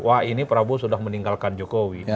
wah ini prabowo sudah meninggalkan jokowi